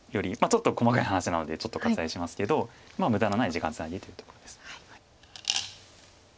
ちょっと細かい話なので割愛しますけど無駄のない時間つなぎというところです。